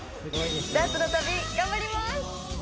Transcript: ダーツの旅、頑張ります。